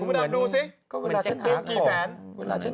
คุณพ่อดำดูซิ